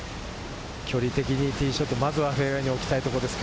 距離的にティーショット、まずはフェアウエーに置きたいところです。